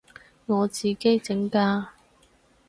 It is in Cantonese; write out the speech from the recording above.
我自己整㗎